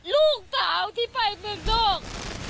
ลูกสาวที่ไปเมืองนอก